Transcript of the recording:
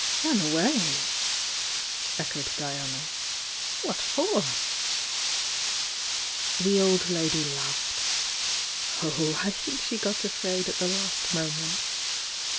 "Ran away!" echoed Diana. "What for?" The old lady laughed. "Oh, I think she got afraid at the last moment!